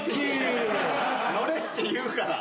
乗れって言うから。